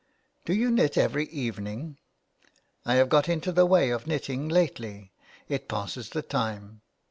" Do you knit every evening ?"'' I have got into the way of knitting lately, it passes the time."